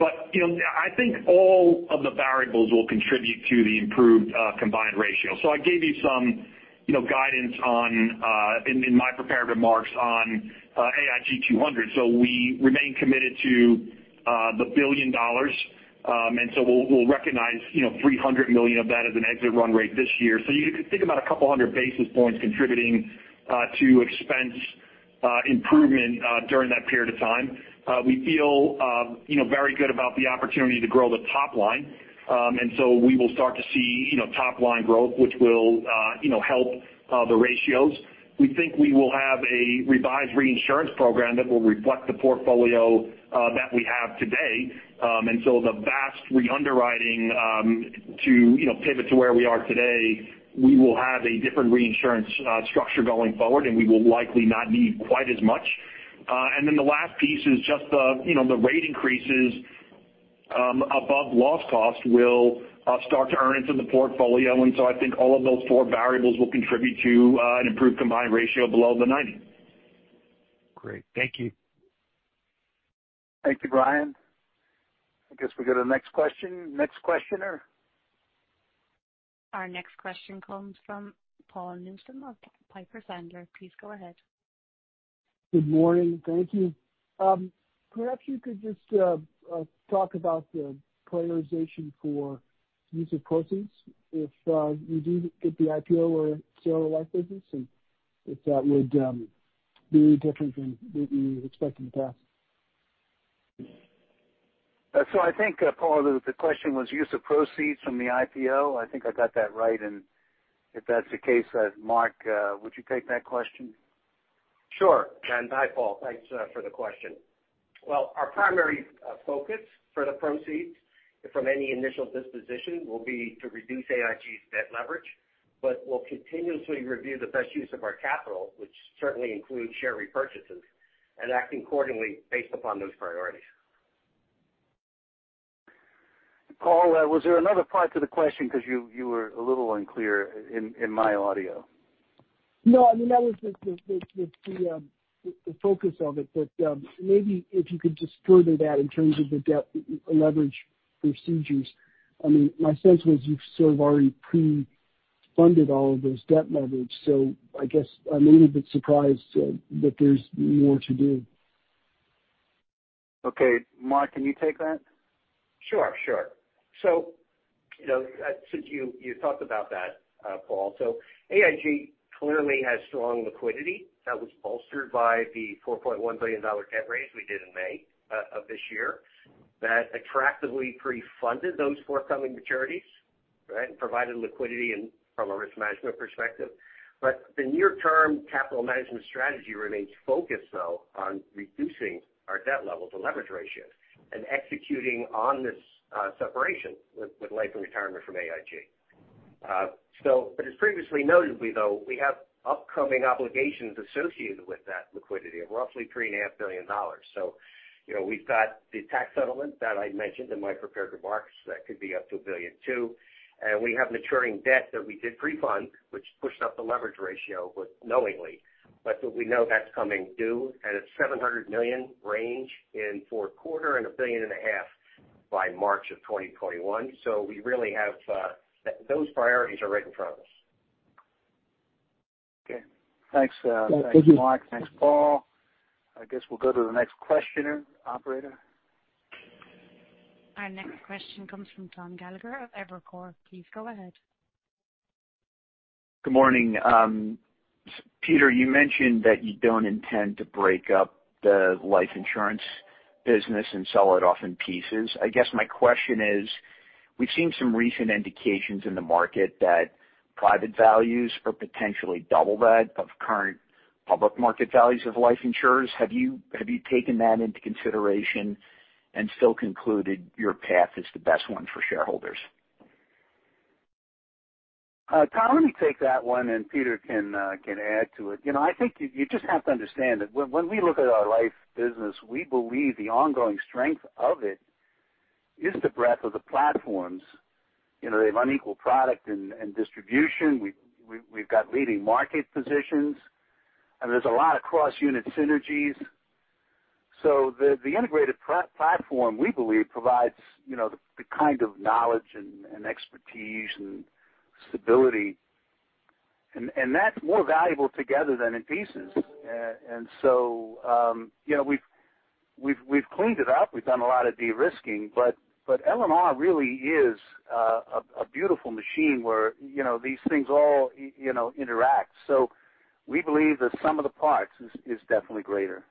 I think all of the variables will contribute to the improved combined ratio. I gave you some guidance in my prepared remarks on AIG 200. We remain committed to the $1 billion. We'll recognize $300 million of that as an exit run rate this year. You can think about a couple of hundred basis points contributing to expense improvement during that period of time. We feel very good about the opportunity to grow the top line. We will start to see top-line growth, which will help the ratios. We think we will have a revised reinsurance program that will reflect the portfolio that we have today. The vast re-underwriting to pivot to where we are today, we will have a different reinsurance structure going forward, and we will likely not need quite as much. The last piece is just the rate increases above loss cost will start to earn into the portfolio, and so I think all of those four variables will contribute to an improved combined ratio below the 90%. Great. Thank you. Thank you, Brian. I guess we go to the next question. Next questioner? Our next question comes from Paul Newsome of Piper Sandler. Please go ahead. Good morning. Thank you. Perhaps you could just talk about the prioritization for use of proceeds if you do get the IPO or sale of life business, and if that would be different than what you expected in the past. I think, Paul, the question was use of proceeds from the IPO. I think I got that right, and if that's the case, Mark, would you take that question? Sure. Hi, Paul. Thanks for the question. Well, our primary focus for the proceeds from any initial disposition will be to reduce AIG's debt leverage, but we'll continuously review the best use of our capital, which certainly includes share repurchases and acting accordingly based upon those priorities. Paul, was there another part to the question? Because you were a little unclear in my audio. No, that was the focus of it, but maybe if you could just further that in terms of the debt leverage procedures. My sense was you've sort of already pre-funded all of this debt leverage. I guess I'm a little bit surprised that there's more to do. Okay. Mark, can you take that? Sure. Since you talked about that, Paul. AIG clearly has strong liquidity that was bolstered by the $4.1 billion debt raise we did in May of this year that attractively pre-funded those forthcoming maturities, right? Provided liquidity from a risk management perspective. The near-term capital management strategy remains focused, though, on reducing our debt levels and leverage ratios and executing on this separation with Life & Retirement from AIG. As previously noted, we have upcoming obligations associated with that liquidity of roughly $3.5 billion. We've got the tax settlement that I mentioned in my prepared remarks that could be up to $1.2 billion, and we have maturing debt that we did pre-fund, which pushed up the leverage ratio, but knowingly. We know that's coming due, and it's $700 million range in fourth quarter and $1.5 billion by March of 2021. Those priorities are right in front of us. Okay. Thanks, Mark. Thank you. Thanks, Paul. I guess we'll go to the next questioner, operator. Our next question comes from Thomas Gallagher of Evercore. Please go ahead. Good morning. Peter, you mentioned that you don't intend to break up the life insurance business and sell it off in pieces. I guess my question is, we've seen some recent indications in the market that private values are potentially double that of current public market values of life insurers. Have you taken that into consideration and still concluded your path is the best one for shareholders? Tom, let me take that one, and Peter can add to it. I think you just have to understand that when we look at our Life & Retirement business, we believe the ongoing strength of it is the breadth of the platforms. They have unequal product and distribution. We've got leading market positions, and there's a lot of cross-unit synergies. The integrated platform, we believe, provides the kind of knowledge and expertise and stability, and that's more valuable together than in pieces. We've cleaned it up. We've done a lot of de-risking, but L&R really is a beautiful machine where these things all interact. We believe the sum of the parts is definitely greater.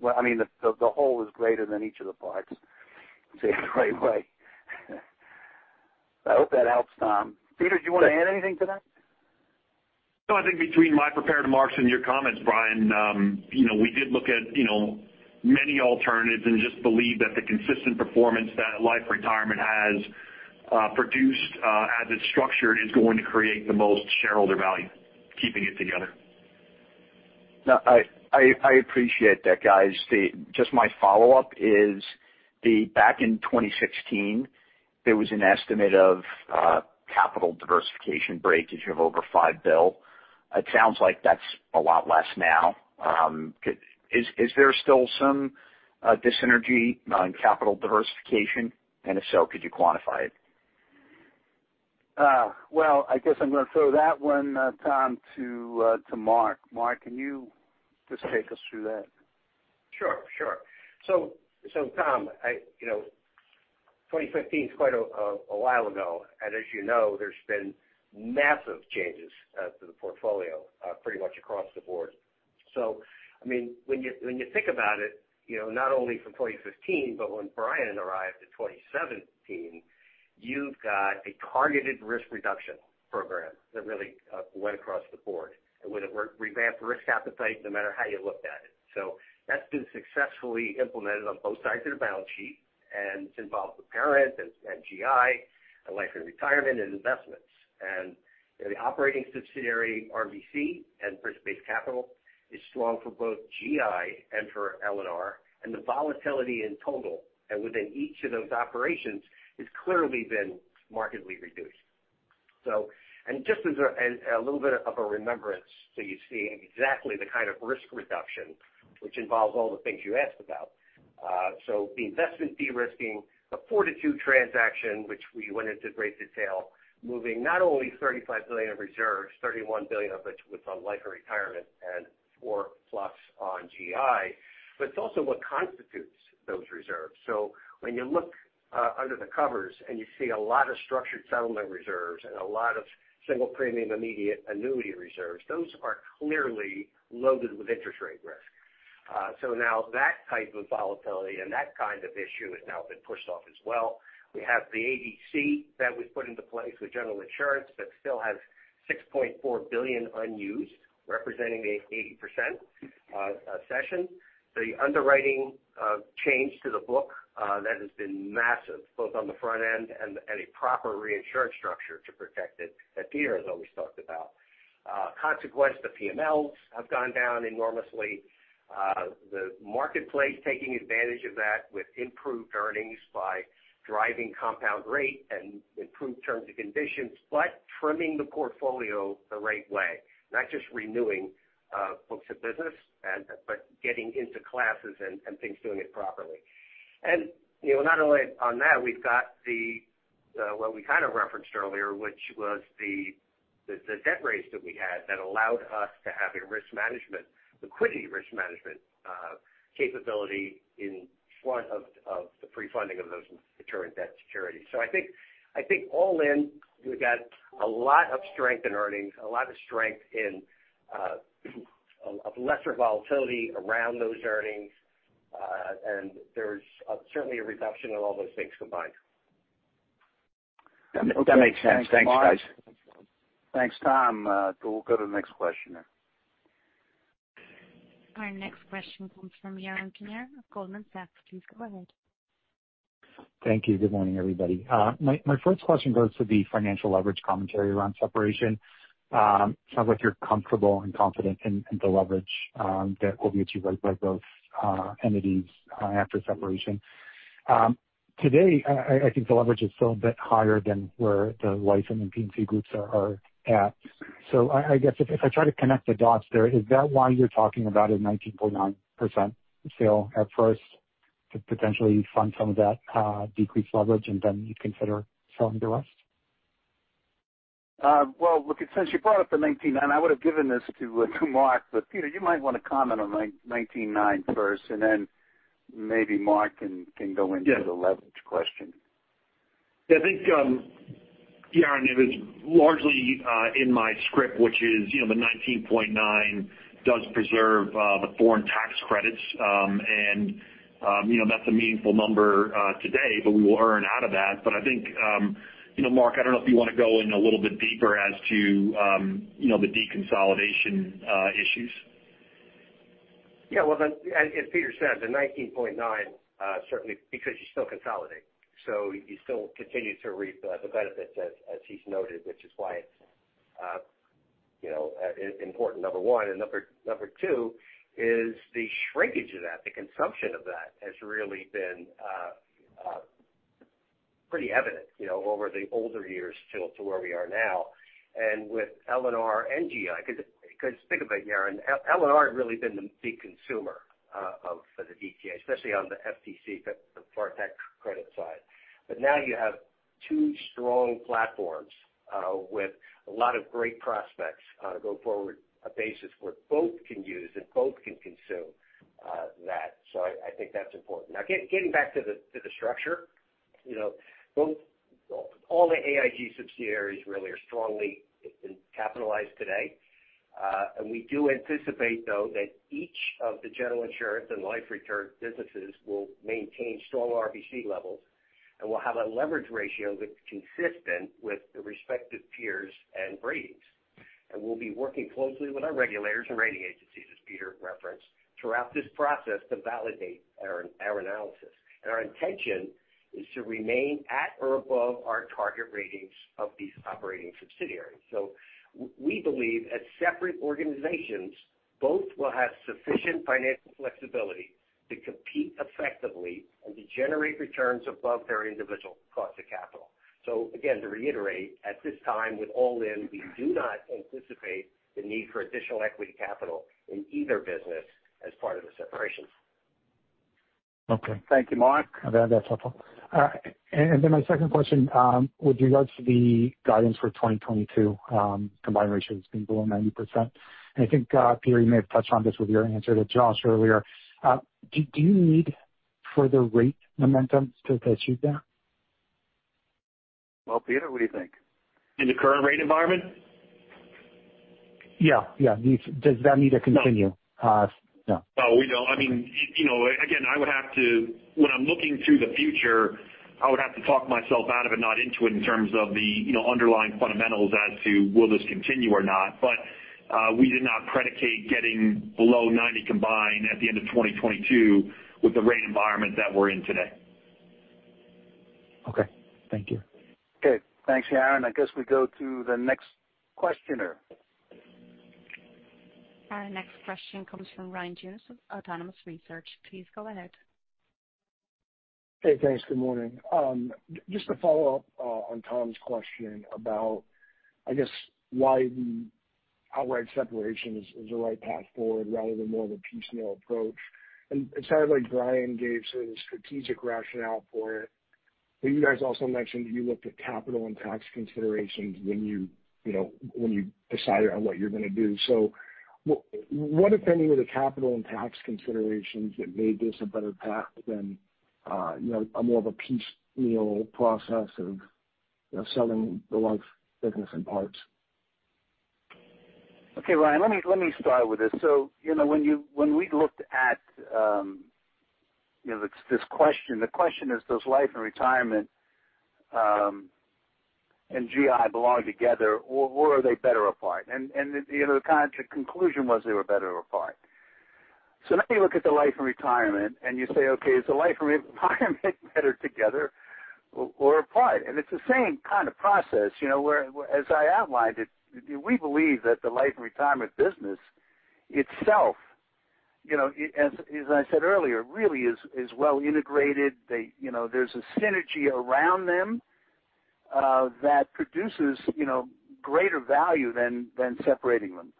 Well, the whole is greater than each of the parts, to say it the right way. I hope that helps, Tom. Peter, do you want to add anything to that? No, I think between my prepared remarks and your comments, Brian, we did look at many alternatives and just believe that the consistent performance that Life & Retirement has produced as it's structured is going to create the most shareholder value, keeping it together. No, I appreciate that, guys. My follow-up is back in 2016, there was an estimate of capital diversification breakage of over $5 billion. It sounds like that's a lot less now. Is there still some dis-synergy on capital diversification? If so, could you quantify it? Well, I guess I'm going to throw that one, Tom, to Mark. Mark, can you just take us through that? Sure. Tom, 2015 is quite a while ago, and as you know, there's been massive changes to the portfolio pretty much across the board. When you think about it, not only from 2015, but when Brian arrived in 2017, you've got a targeted risk reduction program that really went across the board and would have revamped risk appetite no matter how you looked at it. That's been successfully implemented on both sides of the balance sheet, and it's involved with parent and GI and Life & Retirement and investments. The operating subsidiary, RBC, and broad-based capital is strong for both GI and for L&R, and the volatility in total and within each of those operations has clearly been markedly reduced. Just as a little bit of a remembrance, you see exactly the kind of risk reduction which involves all the things you asked about. The investment de-risking, the Fortitude transaction, which we went into great detail, moving not only $35 billion of reserves, $31 billion of which was on Life & Retirement and $4+ billion on GI, but it's also what constitutes those reserves. When you look under the covers and you see a lot of structured settlement reserves and a lot of single premium immediate annuity reserves, those are clearly loaded with interest rate risk. Now that type of volatility and that kind of issue has now been pushed off as well. We have the ADC that we put into place with General Insurance that still has $6.4 billion unused, representing the 80% cession. The underwriting change to the book, that has been massive, both on the front end and a proper reinsurance structure to protect it that Peter has always talked about. Consequence, the PMLs have gone down enormously. The marketplace taking advantage of that with improved earnings by driving compound rate and improved terms and conditions, but trimming the portfolio the right way, not just renewing books of business but getting into classes and things, doing it properly. Not only on that, we've got what we kind of referenced earlier, which was the debt rates that we had that allowed us to have a risk management, liquidity risk management capability in front of the pre-funding of those maturing debt securities. I think all in, we've got a lot of strength in earnings, a lot of strength of lesser volatility around those earnings, and there's certainly a reduction in all those things combined. That makes sense. Thanks, guys. Thanks, Tom. We'll go to the next question then. Our next question comes from Yaron Kinar of Goldman Sachs. Please go ahead. Thank you. Good morning, everybody. My first question goes to the financial leverage commentary around separation. Sounds like you're comfortable and confident in the leverage that will be achieved by both entities after separation. Today, I think the leverage is still a bit higher than where the Life & Retirement and the P&C groups are at. I guess if I try to connect the dots there, is that why you're talking about a 19.9% sale at first to potentially fund some of that decreased leverage and then you'd consider selling the rest? Well, look, since you brought up the 19.9%, I would have given this to Mark. Peter, you might want to comment on 19.9% first. Yes the leverage question. Yeah, I think, Yaron, it was largely in my script, which is the 19.9% does preserve the foreign tax credits, and that's a meaningful number today, but we will earn out of that. I think, Mark, I don't know if you want to go in a little bit deeper as to the deconsolidation issues. Well, as Peter said, the 19.9% certainly because you still consolidate, so you still continue to reap the benefits as he's noted, which is why it's important, number one. Number two is the shrinkage of that, the consumption of that has really been pretty evident over the older years till to where we are now. With L&R and GI, because think of it, Yaron, L&R had really been the big consumer for the DTA, especially on the FTC, the tax credit side. Now you have two strong platforms with a lot of great prospects on a go forward basis where both can use and both can consume that. I think that's important. Getting back to the structure, all the AIG subsidiaries really are strongly capitalized today. We do anticipate, though, that each of the General Insurance and Life & Retirement businesses will maintain strong RBC levels and will have a leverage ratio that's consistent with the respective peers and ratings. We'll be working closely with our regulators and rating agencies, as Peter referenced, throughout this process to validate our analysis. Our intention is to remain at or above our target ratings of these operating subsidiaries. We believe as separate organizations, both will have sufficient financial flexibility to compete effectively and to generate returns above their individual cost of capital. Again, to reiterate, at this time, with all in, we do not anticipate the need for additional equity capital in either business as part of the separation. Okay. Thank you, Mark. That's helpful. My second question, with regards to the guidance for 2022, combined ratio has been below 90%. I think, Peter, you may have touched on this with your answer to Joshua earlier. Do you need further rate momentum to achieve that? Well, Peter, what do you think? In the current rate environment? Yeah. Does that need to continue? No. No, we don't. When I'm looking to the future, I would have to talk myself out of it, not into it, in terms of the underlying fundamentals as to will this continue or not? We did not predicate getting below 90% combined at the end of 2022 with the rate environment that we're in today. Okay. Thank you. Okay. Thanks, Yaron. I guess we go to the next questioner. Our next question comes from Ryan Tunis of Autonomous Research. Please go ahead. Hey, thanks. Good morning. Just to follow up on Tom's question about, I guess, why the outright separation is the right path forward rather than more of a piecemeal approach. It sounds like Brian gave sort of the strategic rationale for it, but you guys also mentioned you looked at capital and tax considerations when you decided on what you're going to do. What, if any, were the capital and tax considerations that made this a better path than more of a piecemeal process of selling the Life & Retirement business in parts? Okay, Ryan, let me start with this. When we looked at this question, the question is, does Life & Retirement and General Insurance belong together, or are they better apart? The conclusion was they were better apart. Now you look at the Life & Retirement and you say, "Okay, is the Life & Retirement better together or apart?" It's the same kind of process, where as I outlined it, we believe that the Life & Retirement business itself, as I said earlier, really is well integrated. There's a synergy around them that produces greater value than separating them.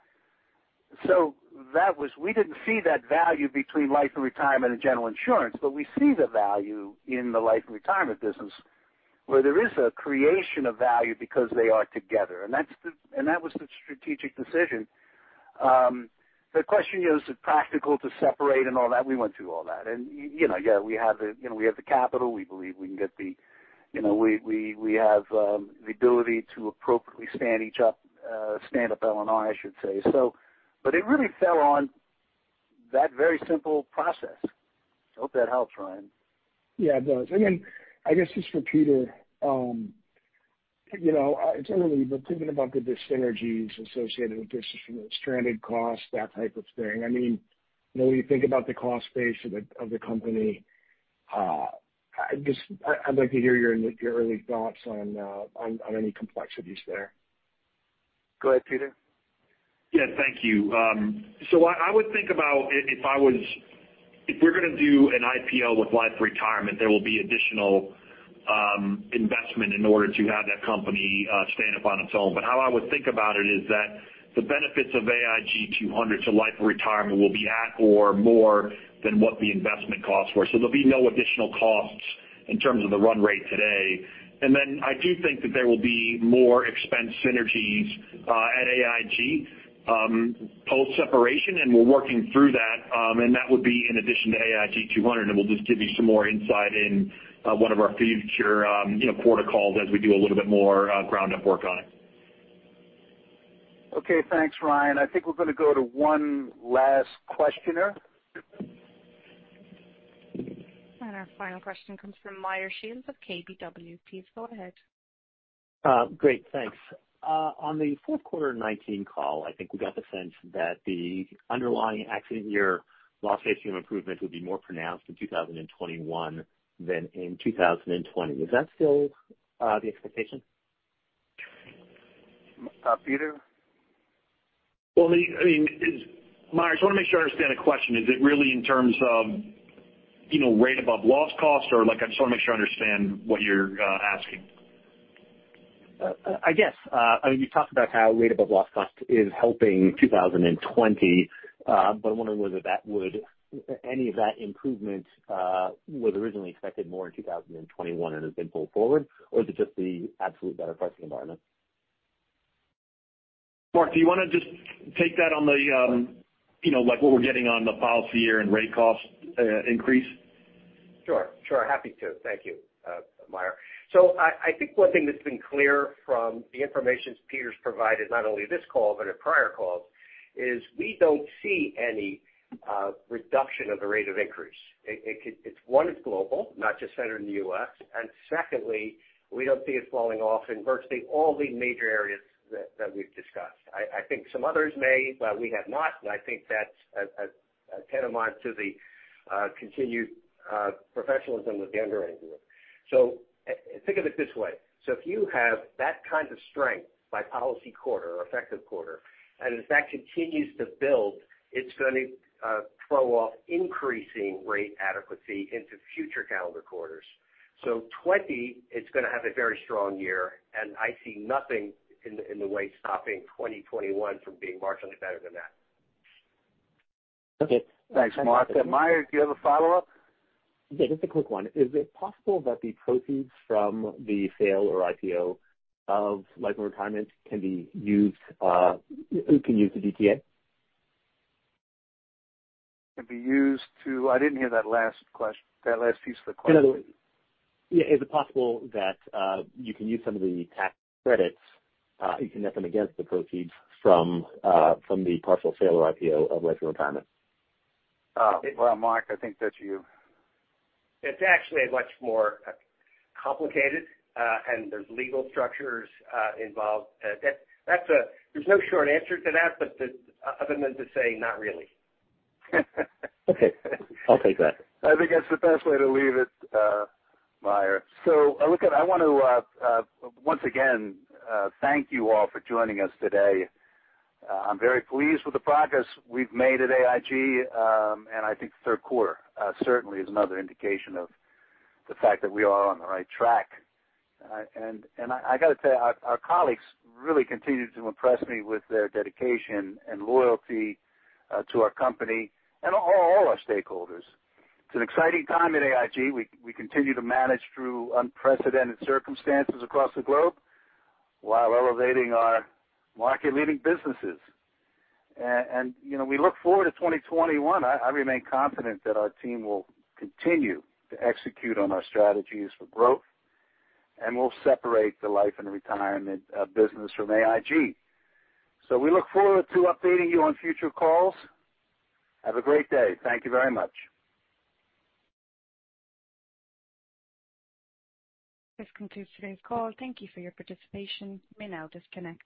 We didn't see that value between Life & Retirement and General Insurance, but we see the value in the Life & Retirement business, where there is a creation of value because they are together, and that was the strategic decision. The question is it practical to separate and all that? We went through all that. We have the capital. We have the ability to appropriately stand each up, stand up L&R, I should say. It really fell on that very simple process. I hope that helps, Ryan. Yeah, it does. I guess just for Peter, it's early, but thinking about the dis-synergies associated with this, stranded costs, that type of thing. When you think about the cost base of the company, I'd like to hear your early thoughts on any complexities there. Go ahead, Peter. Yeah, thank you. I would think about if we're going to do an IPO with Life & Retirement, there will be additional investment in order to have that company stand up on its own. How I would think about it is that the benefits of AIG 200 to Life & Retirement will be at or more than what the investment costs were. There'll be no additional costs in terms of the run rate today. I do think that there will be more expense synergies at AIG post-separation, and we're working through that. That would be in addition to AIG 200, we'll just give you some more insight in one of our future quarter calls as we do a little bit more ground-up work on it. Okay, thanks, Ryan. I think we're going to go to one last questioner. Our final question comes from Meyer Shields of KBW. Please go ahead. Great, thanks. On the fourth quarter 2019 call, I think we got the sense that the underlying accident year loss ratio improvement would be more pronounced in 2021 than in 2020. Is that still the expectation? Peter? Well, Meyer, I just want to make sure I understand the question. Is it really in terms of rate above loss cost? I just want to make sure I understand what you're asking. I guess. You talked about how rate above loss cost is helping 2020, but I'm wondering whether any of that improvement was originally expected more in 2021 and has been pulled forward, or is it just the absolute better pricing environment? Mark, do you want to just take that on what we're getting on the policy year and rate cost increase? Sure. Happy to. Thank you, Meyer. I think one thing that's been clear from the information Peter's provided, not only this call but at prior calls, is we don't see any reduction of the rate of increase. One, it's global, not just centered in the U.S., and secondly, we don't see it falling off in virtually all the major areas that we've discussed. I think some others may, but we have not, and I think that's tantamount to the continued professionalism of the underwriting group. Think of it this way. If you have that kind of strength by policy quarter or effective quarter, and if that continues to build, it's going to throw off increasing rate adequacy into future calendar quarters. 2020 is going to have a very strong year, and I see nothing in the way stopping 2021 from being marginally better than that. Okay. Thanks, Mark. Meyer, do you have a follow-up? Yeah, just a quick one. Is it possible that the proceeds from the sale or IPO of Life & Retirement can use the DTA? Can be used to? I didn't hear that last piece of the question. Is it possible that you can use some of the tax credits, you can net them against the proceeds from the partial sale or IPO of Life & Retirement? Well, Mark, I think that. It's actually much more complicated, and there's legal structures involved. There's no short answer to that other than to say not really. Okay. I'll take that. I think that's the best way to leave it, Meyer. I want to once again thank you all for joining us today. I'm very pleased with the progress we've made at AIG, I think third quarter certainly is another indication of the fact that we are on the right track. I got to tell you, our colleagues really continue to impress me with their dedication and loyalty to our company and all our stakeholders. It's an exciting time at AIG. We continue to manage through unprecedented circumstances across the globe while elevating our market-leading businesses. We look forward to 2021. I remain confident that our team will continue to execute on our strategies for growth, we'll separate the Life & Retirement business from AIG. We look forward to updating you on future calls. Have a great day. Thank you very much. This concludes today's call. Thank you for your participation. You may now disconnect.